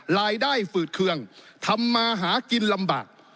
รายได้ฝืดเคืองทำมาหากินลำบาก